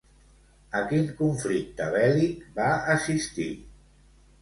A quin conflicte bèl·lic va assistir?